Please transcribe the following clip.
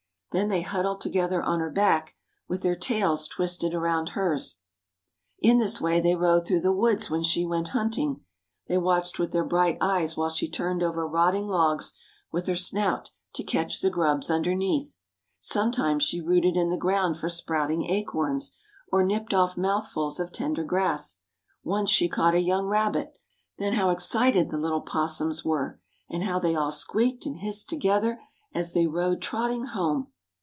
Then they huddled together on her back, with their tails twisted around hers. In this way they rode through the woods when she went hunting. They watched with their bright eyes while she turned over rotting logs with her snout to catch the grubs underneath. Sometimes she rooted in the ground for sprouting acorns, or nipped off mouthfuls of tender grass. Once she caught a young rabbit. Then how excited the little opossums were! And how they all squeaked and hissed together as they rode trotting home!